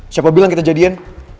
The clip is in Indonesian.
siapa bilang kita jadian